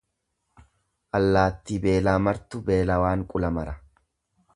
Allaattii beelaa martu beelawaan qula mara.